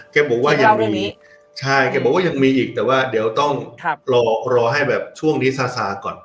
แกบอกว่ายังมีใช่แกบอกว่ายังมีอีกแต่ว่าเดี๋ยวต้องรอรอให้แบบช่วงนี้ซาซาก่อน